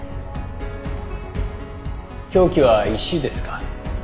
凶器は石ですか？